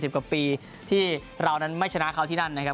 กว่าปีที่เรานั้นไม่ชนะเขาที่นั่นนะครับ